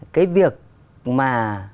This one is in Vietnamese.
cái việc mà